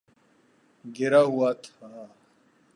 گرا ہوا تھا